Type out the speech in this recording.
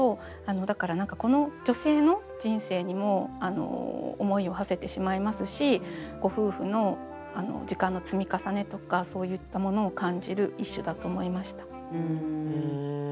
だから何かこの女性の人生にも思いをはせてしまいますしご夫婦の時間の積み重ねとかそういったものを感じる一首だと思いました。